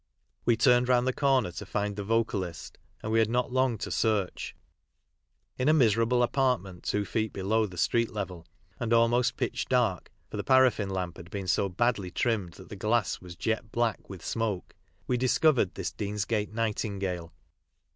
We turned round the corner to find the vocalist, and we had not long to search. In a miserable apartment two feet below the street level, and almost pitch dark, for the paraffin lamp had been so badly trimmed that the glass was jet black with smoke, we discovered this Deansgate nightingale.